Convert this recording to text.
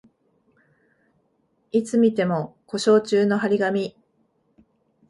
いつ見ても故障中の張り紙